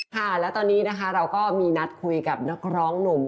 ค่ะแล้วตอนนี้นะคะเราก็มีนัดคุยกับนักร้องหนุ่ม